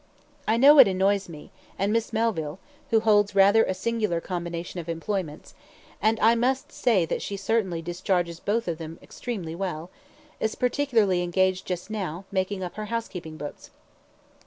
I know it annoys me, and Miss Melville (who holds rather a singular combination of employments, and I must say that she certainly discharges both of them extremely well) is particularly engaged just now, making up her housekeeping books."